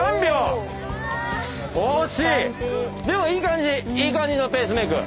「でもいい感じ」